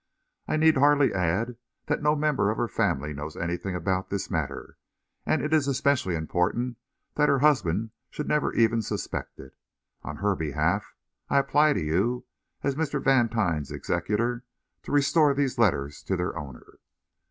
I need hardly add, that no member of her family knows anything about this matter, and it is especially important that her husband should never even suspect it. On her behalf, I apply to you, as Mr. Vantine's executor, to restore these letters to their owner."